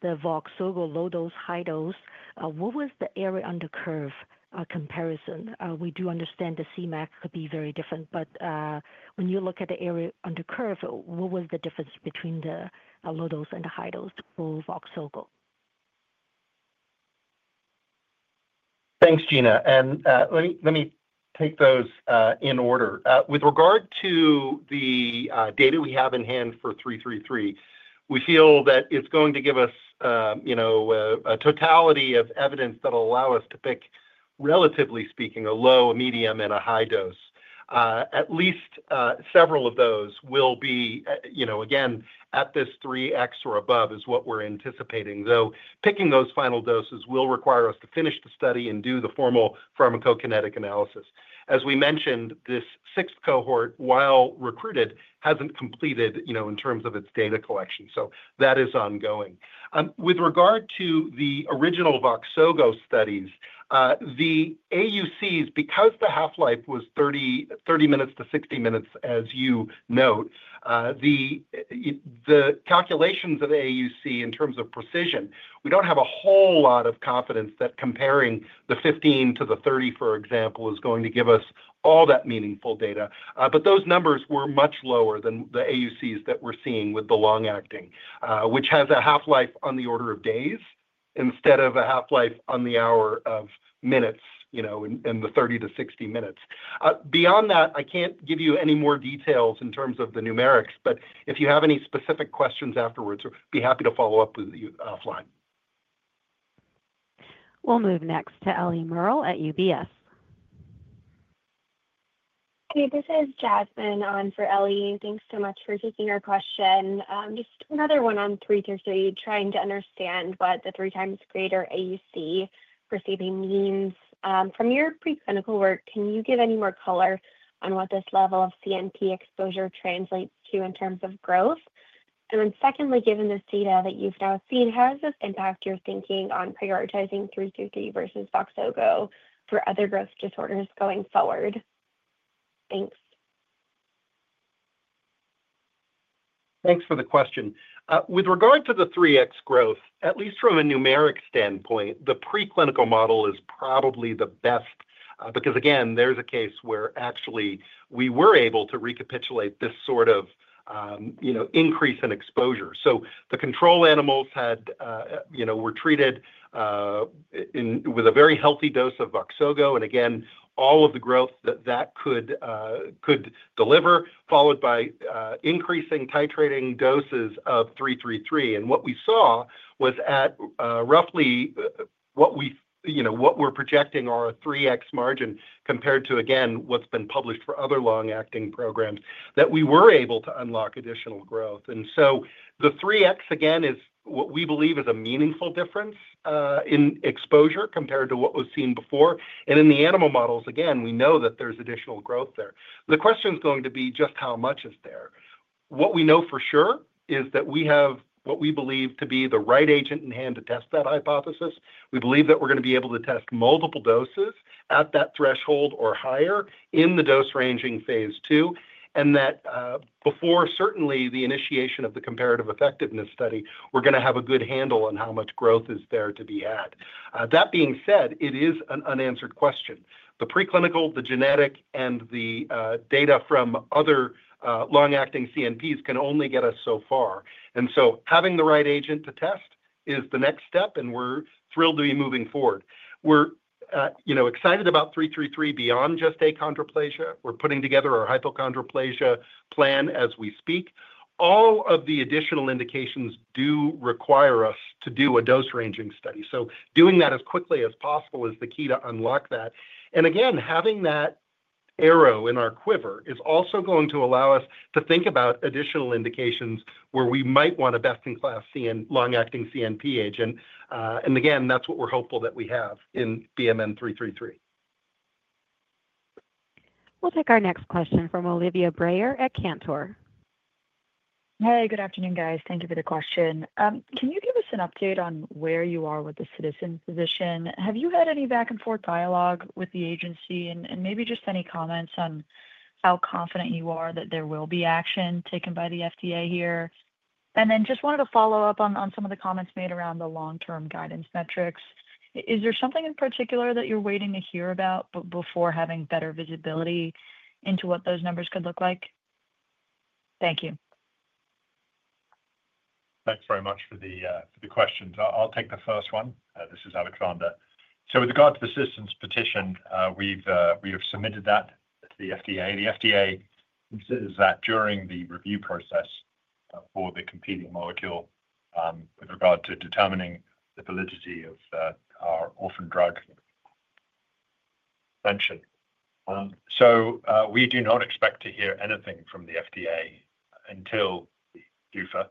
the VOXZOGO low dose, high dose, what was the area under curve comparison? We do understand the Cmax could be very different, but when you look at the area under curve, what was the difference between the low dose and the high dose for VOXZOGO? Thanks, Gena. Let me take those in order. With regard to the data we have in hand for BMN 333, we feel that it's going to give us a totality of evidence that will allow us to pick, relatively speaking, a low, a medium, and a high dose. At least several of those will be, again, at this 3x or above is what we're anticipating, though picking those final doses will require us to finish the study and do the formal pharmacokinetic analysis. As we mentioned, this sixth cohort, while recruited, hasn't completed in terms of its data collection. That is ongoing. With regard to the original VOXZOGO studies, the AUCs, because the half-life was 30 minutes to 60 minutes, as you note, the calculations of AUC in terms of precision, we don't have a whole lot of confidence that comparing the 15 to the 30, for example, is going to give us all that meaningful data. Those numbers were much lower than the AUCs that we're seeing with the long-acting, which has a half-life on the order of days instead of a half-life on the order of minutes, in the 30 minutes-60 minutes. Beyond that, I can't give you any more details in terms of the numerics, but if you have any specific questions afterwards, we'd be happy to follow up with you offline. We'll move next to Ellie Merrell at UBS. Hey, this is Jasmine on for Ellie, and thanks so much for taking our question. Just another one on BMN 333, trying to understand what the three times greater AUC per se even means. From your preclinical work, can you give any more color on what this level of CNP exposure translates to in terms of growth? Secondly, given this data that you've now seen, how does this impact your thinking on prioritizing BMN 333 versus VOXZOGO for other growth disorders going forward? Thanks. Thanks for the question. With regard to the 3x growth, at least from a numeric standpoint, the preclinical model is probably the best because, again, there's a case where actually we were able to recapitulate this sort of increase in exposure. The control animals were treated with a very healthy dose of VOXZOGO, and all of the growth that that could deliver, followed by increasing titrating doses of BMN 333. What we saw was at roughly what we are projecting are a 3x margin compared to what has been published for other long-acting programs that we were able to unlock additional growth. The 3x is what we believe is a meaningful difference in exposure compared to what was seen before. In the animal models, we know that there's additional growth there. The question is going to be just how much is there. What we know for sure is that we have what we believe to be the right agent in hand to test that hypothesis. We believe that we're going to be able to test multiple doses at that threshold or higher in the dose ranging phase two, and that before, certainly, the initiation of the comparative effectiveness study, we're going to have a good handle on how much growth is there to be had. That being said, it is an unanswered question. The preclinical, the genetic, and the data from other long-acting CNPs can only get us so far. Having the right agent to test is the next step, and we're thrilled to be moving forward. We're excited about BMN 333 beyond just Achondroplasia. We're putting together our Hypochondroplasia plan as we speak. All of the additional indications do require us to do a dose ranging study. Doing that as quickly as possible is the key to unlock that. Having that arrow in our quiver is also going to allow us to think about additional indications where we might want a best-in-class long-acting CNP agent. That's what we're hopeful that we have in BMN 333. We'll take our next question from Olivia Breyer at Cantor. Hey, good afternoon, guys. Thank you for the question. Can you give us an update on where you are with the citizen petition? Have you had any back-and-forth dialogue with the agency, and maybe just any comments on how confident you are that there will be action taken by the FDA here? I just wanted to follow up on some of the comments made around the long-term guidance metrics. Is there something in particular that you're waiting to hear about before having better visibility into what those numbers could look like? Thank you. Thanks very much for the questions. I'll take the first one. This is Alexander. With regard to the citizen's petition, we've submitted that to the FDA. The FDA considers that during the review process for the competing molecule with regard to determining the validity of our orphan drug. We do not expect to hear anything from the FDA until the PDUFA,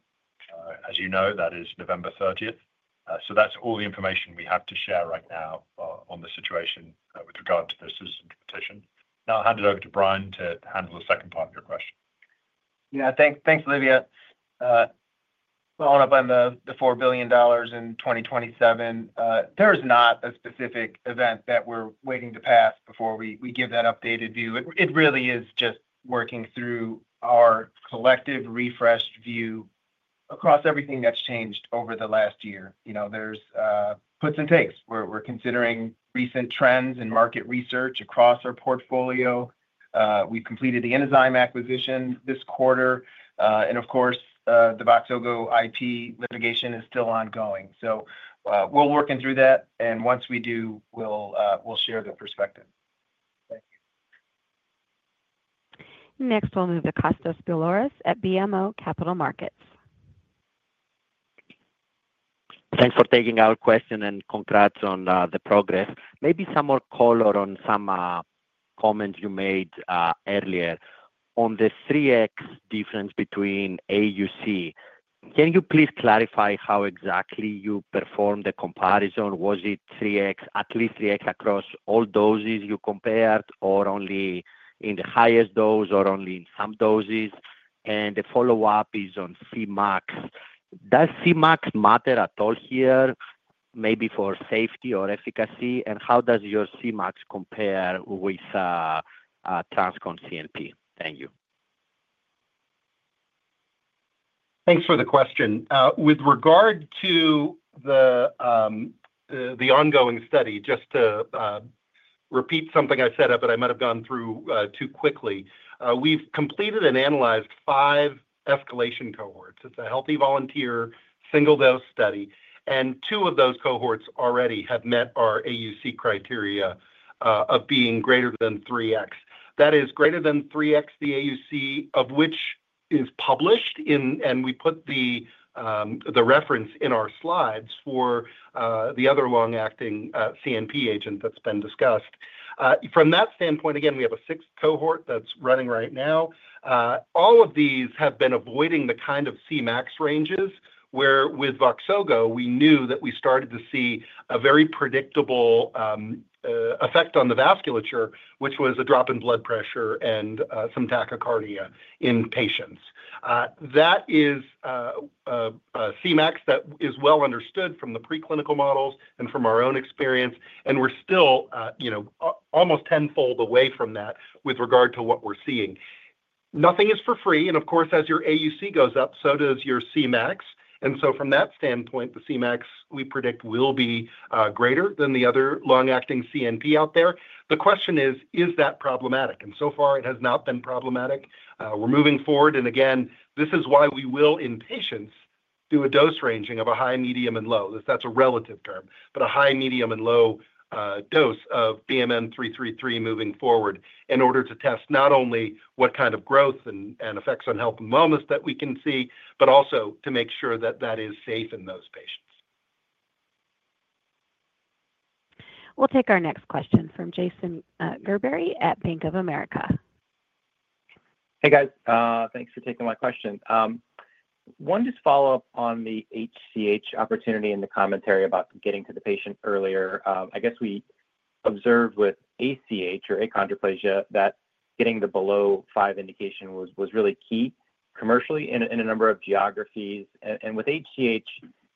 as you know, that is November 30, 2024. That's all the information we have to share right now on the situation with regard to the citizen's petition. I'll hand it over to Brian to handle the second part of your question. Yeah, thanks, Olivia. On the $4 billion in 2027, there is not a specific event that we're waiting to pass before we give that updated view. It really is just working through our collective refreshed view across everything that's changed over the last year. You know, there's puts and takes. We're considering recent trends in market research across our portfolio. We've completed the Inozyme acquisition this quarter. Of course, the VOXZOGO IP litigation is still ongoing. We're working through that, and once we do, we'll share the perspective. Next, we'll move to Kostas Biliouris at BMO Capital Markets. Thanks for taking our question and congrats on the progress. Maybe some more color on some comments you made earlier on the 3x difference between AUC. Can you please clarify how exactly you performed the comparison? Was it 3x, at least 3x across all doses you compared, or only in the highest dose, or only in some doses? The follow-up is on Cmax. Does Cmax matter at all here? Maybe for safety or efficacy? How does your Cmax compare with TransCon CNP? Thank you. Thanks for the question. With regard to the ongoing study, just to repeat something I said up, but I might have gone through too quickly. We've completed and analyzed five escalation cohorts. It's a healthy volunteer single-dose study, and two of those cohorts already have met our AUC criteria of being greater than 3x. That is, greater than 3x the AUC of which is published in, and we put the reference in our slides for the other long-acting CNP agent that's been discussed. From that standpoint, we have a sixth cohort that's running right now. All of these have been avoiding the kind of Cmax ranges where with VOXZOGO, we knew that we started to see a very predictable effect on the vasculature, which was a drop in blood pressure and some tachycardia in patients. That is a Cmax that is well understood from the preclinical models and from our own experience, and we're still, you know, almost tenfold away from that with regard to what we're seeing. Nothing is for free, and of course, as your AUC goes up, so does your Cmax. From that standpoint, the we predict will be greater than the other long-acting CNP out there. The question is, is that problematic? So far, it has not been problematic. We're moving forward, and this is why we will, in patients, do a dose ranging of a high, medium, and low. That's a relative term, but a high, medium, and low dose of BMN 333 moving forward in order to test not only what kind of growth and effects on health and wellness that we can see, but also to make sure that that is safe in those patients. We'll take our next question from Jason Gerberry at Bank of America. Hey, guys. Thanks for taking my question. Just a follow-up on the HCH opportunity in the commentary about getting to the patient earlier. I guess we observed with Achondroplasia that getting the below five indication was really key commercially in a number of geographies. With HCH,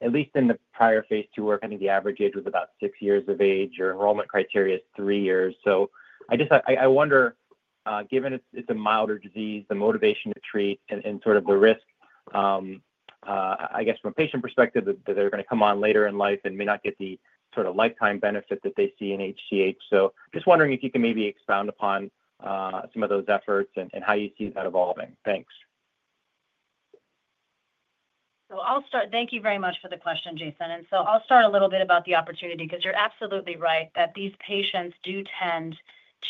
at least in the prior phase II work, I think the average age was about six years of age. Your enrollment criteria is three years. I just wonder, given it's a milder disease, the motivation to treat and sort of the risk, I guess from a patient perspective, that they're going to come on later in life and may not get the sort of lifetime benefit that they see in HCH. Just wondering if you can maybe expound upon some of those efforts and how you see that evolving. Thanks. Thank you very much for the question, Jason. I'll start a little bit about the opportunity because you're absolutely right that these patients do tend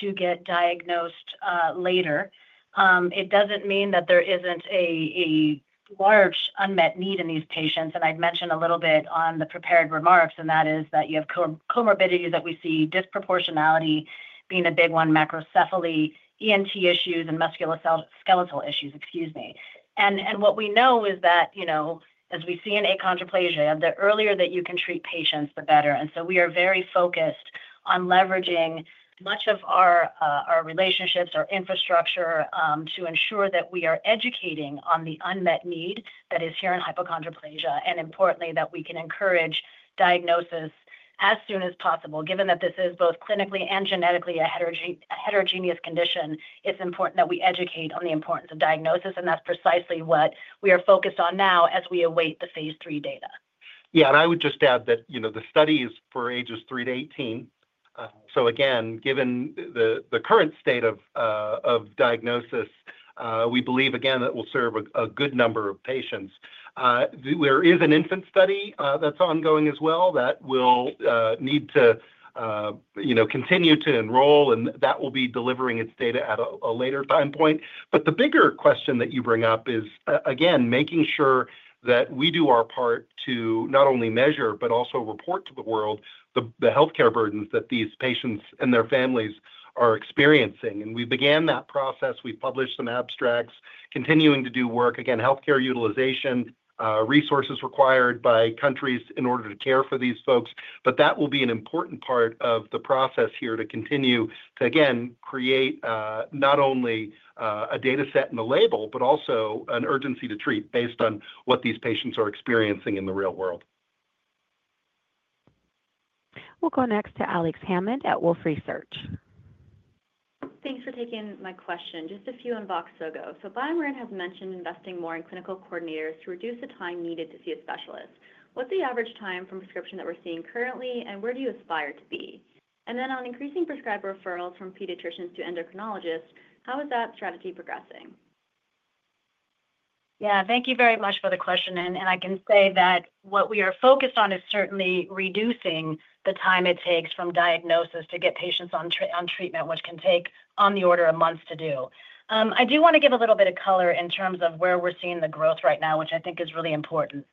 to get diagnosed later. It doesn't mean that there isn't a large unmet need in these patients. I'd mention a little bit on the prepared remarks, and that is that you have comorbidities that we see, disproportionality being a big one, Macrocephaly, ENT issues, and musculoskeletal issues, excuse me. What we know is that, as we see in Achondroplasia, the earlier that you can treat patients, the better. We are very focused on leveraging much of our relationships and our infrastructure to ensure that we are educating on the unmet need that is here in Hypochondroplasia, and importantly, that we can encourage diagnosis as soon as possible. Given that this is both clinically and genetically a heterogeneous condition, it's important that we educate on the importance of diagnosis, and that's precisely what we are focused on now as we await the phase III data. Yeah, and I would just add that, you know, the studies for ages three to 18, so again, given the current state of diagnosis, we believe, again, that we'll serve a good number of patients. There is an infant study that's ongoing as well that will need to, you know, continue to enroll, and that will be delivering its data at a later time point. The bigger question that you bring up is, again, making sure that we do our part to not only measure, but also report to the world the healthcare burdens that these patients and their families are experiencing. We began that process. We published some abstracts, continuing to do work. Again, healthcare utilization, resources required by countries in order to care for these folks. That will be an important part of the process here to continue to, again, create not only a data set and a label, but also an urgency to treat based on what these patients are experiencing in the real world. We'll go next to Alex Hammond at Wolfe Research. Thanks for taking my question. Just a few on VOXZOGO. BioMarin has mentioned investing more in clinical coordinators to reduce the time needed to see a specialist. What's the average time from prescription that we're seeing currently, and where do you aspire to be? On increasing prescriber referrals from pediatricians to endocrinologists, how is that strategy progressing? Thank you very much for the question. I can say that what we are focused on is certainly reducing the time it takes from diagnosis to get patients on treatment, which can take on the order of months to do. I do want to give a little bit of color in terms of where we're seeing the growth right now, which I think is really important.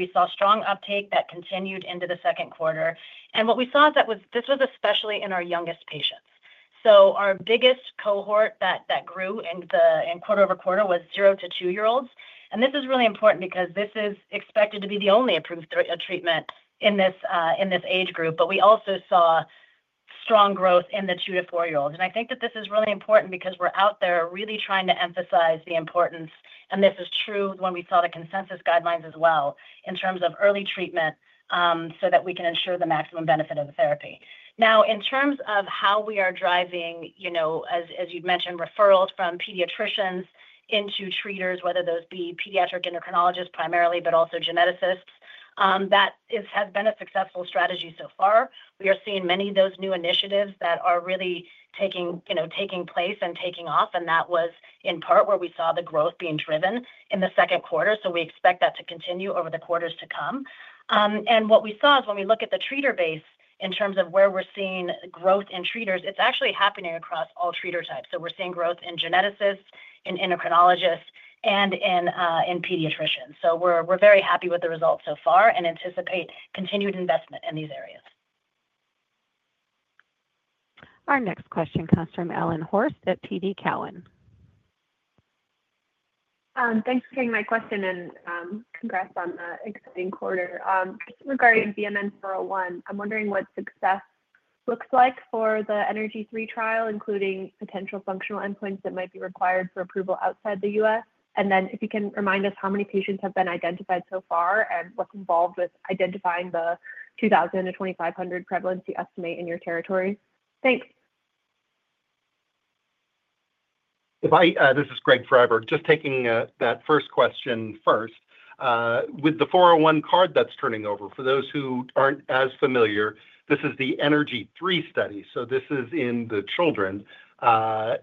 We saw strong uptake that continued into the second quarter. What we saw is that this was especially in our youngest patients. Our biggest cohort that grew quarter over quarter was zero to two-year-olds. This is really important because this is expected to be the only approved treatment in this age group. We also saw strong growth in the two to four-year-olds. I think that this is really important because we're out there really trying to emphasize the importance. This is true when we saw the consensus guidelines as well in terms of early treatment so that we can ensure the maximum benefit of the therapy. In terms of how we are driving, as you've mentioned, referrals from pediatricians into treaters, whether those be pediatric endocrinologists primarily, but also geneticists, that has been a successful strategy so far. We are seeing many of those new initiatives that are really taking place and taking off. That was in part where we saw the growth being driven in the second quarter. We expect that to continue over the quarters to come. What we saw is when we look at the treater base in terms of where we're seeing growth in treaters, it's actually happening across all treater types. We're seeing growth in geneticists, in endocrinologists, and in pediatricians. We're very happy with the results so far and anticipate continued investment in these areas. Our next question comes from Alan Horst at TD Cowen. Thanks for taking my question and congrats on the exciting quarter. Regarding BMN 401, I'm wondering what success looks like for the ENERGY3 trial, including potential functional endpoints that might be required for approval outside the U.S. If you can remind us how many patients have been identified so far and what's involved with identifying the 2,000-2,500 prevalence estimate in your territory. Thanks. If I, this is Greg Friberg, just taking that first question first. With the BMN 401 card that's turning over, for those who aren't as familiar, this is the ENERGY3 Study. This is in the children, as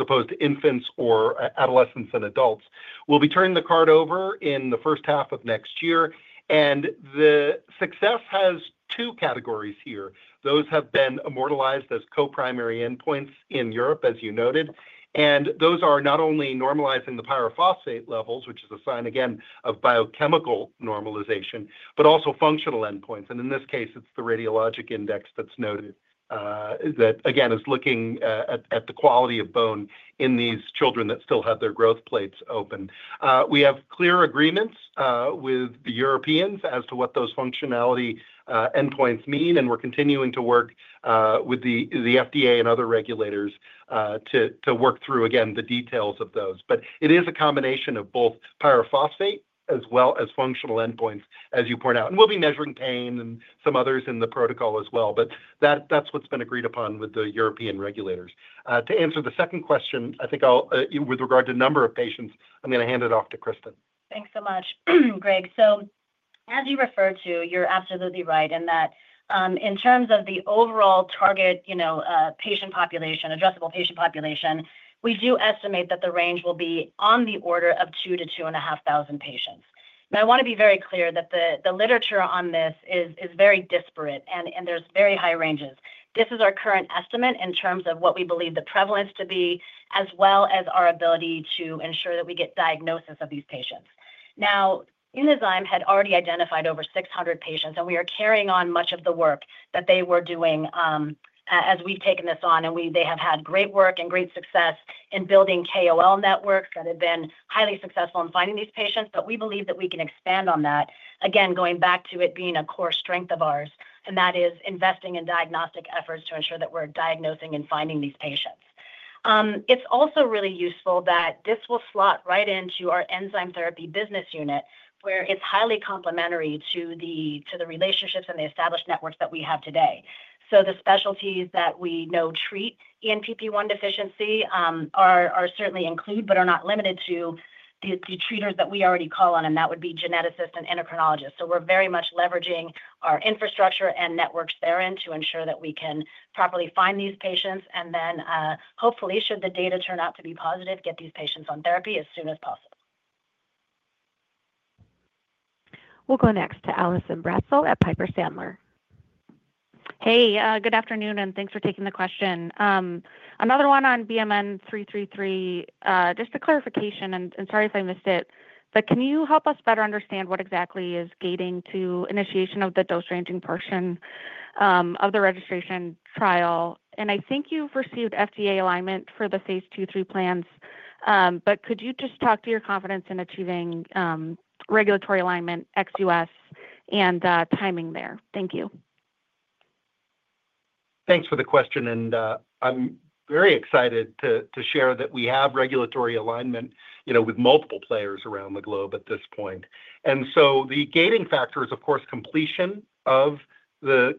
opposed to infants or adolescents and adults. We'll be turning the card over in the first half of next year. The success has two categories here. Those have been immortalized as co-primary endpoints in Europe, as you noted. Those are not only normalizing the pyrophosphate levels, which is a sign, again, of biochemical normalization, but also functional endpoints. In this case, it's the Radiologic Index that's noted that, again, is looking at the quality of bone in these children that still have their growth plates open. We have clear agreements with the Europeans as to what those functionality endpoints mean. We're continuing to work with the FDA and other regulators to work through, again, the details of those. It is a combination of both pyrophosphate as well as functional endpoints, as you point out. We'll be measuring pain and some others in the protocol as well. That's what's been agreed upon with the European regulators. To answer the second question, with regard to a number of patients, I'm going to hand it off to Cristin. Thanks so much, Greg. As you refer to, you're absolutely right in that in terms of the overall target, you know, patient population, addressable patient population, we do estimate that the range will be on the order of 2,000 patients-2,500 patients. I want to be very clear that the literature on this is very disparate, and there's very high ranges. This is our current estimate in terms of what we believe the prevalence to be, as well as our ability to ensure that we get diagnosis of these patients. Now, Inozyme had already identified over 600 patients, and we are carrying on much of the work that they were doing as we've taken this on. They have had great work and great success in building KOL networks that have been highly successful in finding these patients. We believe that we can expand on that, again, going back to it being a core strength of ours. That is investing in diagnostic efforts to ensure that we're diagnosing and finding these patients. It's also really useful that this will slot right into our enzyme therapy business unit, where it's highly complementary to the relationships and the established networks that we have today. The specialties that we know treat ENPP1 Deficiency are certainly included, but are not limited to the treaters that we already call on, and that would be geneticists and endocrinologists. We're very much leveraging our infrastructure and networks therein to ensure that we can properly find these patients, and then hopefully, should the data turn out to be positive, get these patients on therapy as soon as possible. We'll go next to Allison Bratzel at Piper Sandler. Hey, good afternoon, and thanks for taking the question. Another one on BMN 333, just a clarification, sorry if I missed it, but can you help us better understand what exactly is gating to initiation of the dose ranging portion of the registration trial? I think you've received FDA alignment for the phase II-III plans, but could you just talk to your confidence in achieving regulatory alignment, XUS, and timing there? Thank you. Thanks for the question. I'm very excited to share that we have regulatory alignment with multiple players around the globe at this point. The gating factor is, of course, completion of the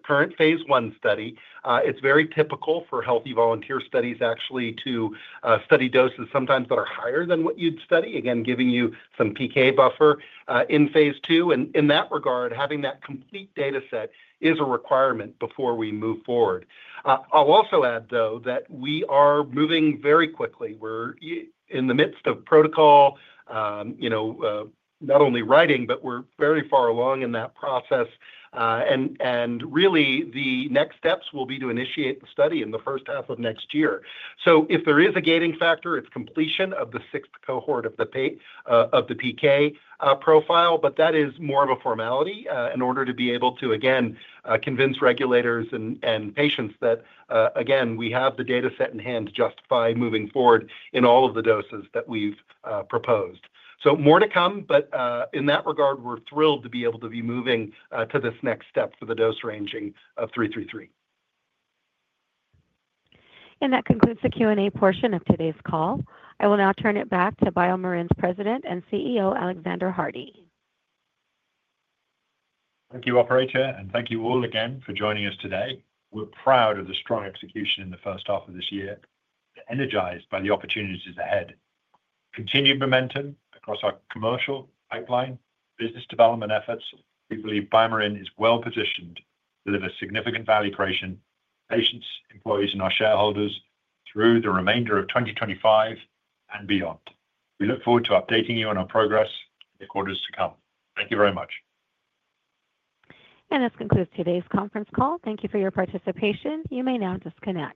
current phase I study. It's very typical for healthy volunteer studies to study doses sometimes that are higher than what you'd study, giving you some PK buffer in phase II. In that regard, having that complete data set is a requirement before we move forward. I'll also add that we are moving very quickly. We're in the midst of protocol, not only writing, but we're very far along in that process. The next steps will be to initiate the study in the first half of next year. If there is a gating factor, it's completion of the sixth cohort of the PK profile, but that is more of a formality in order to be able to convince regulators and patients that we have the data set in hand just by moving forward in all of the doses that we've proposed. More to come, but in that regard, we're thrilled to be able to be moving to this next step for the dose ranging of BMN 333. That concludes the Q&A portion of today's call. I will now turn it back to BioMarin's President and CEO, Alexander Hardy. Thank you, Operator, and thank you all again for joining us today. We're proud of the strong execution in the first half of this year, energized by the opportunities ahead. Continued momentum across our commercial pipeline and business development efforts. We believe BioMarin is well positioned to deliver significant value creation for patients, employees, and our shareholders through the remainder of 2025 and beyond. We look forward to updating you on our progress in the quarters to come. Thank you very much. This concludes today's conference call. Thank you for your participation. You may now disconnect.